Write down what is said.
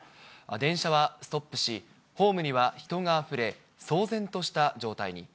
電車はストップし、ホームには人があふれ、騒然とした状態に。